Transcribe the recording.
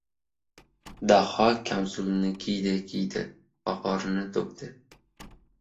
Daho kamzulni kiydi-kiydi, ohorini to‘kdi.